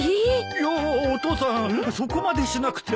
いやお父さんそこまでしなくても。